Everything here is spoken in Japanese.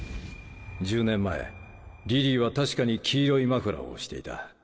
１０年前リリーは確かに黄色いマフラーをしていた。